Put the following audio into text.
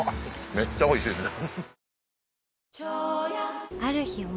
めっちゃおいしいですね。